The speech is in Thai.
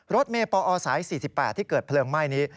รถเมย์ปอสาย๔๘ที่เกิดเพลิงไหม้นี้